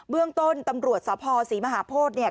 เรื่องต้นตำรวจสภศรีมหาโพธิเนี่ย